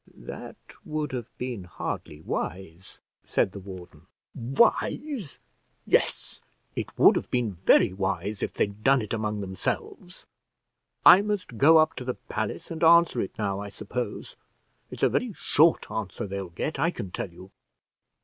"That would have been hardly wise," said the warden. "Wise; yes, it would have been very wise if they'd done it among themselves. I must go up to the palace and answer it now, I suppose. It's a very short answer they'll get, I can tell you."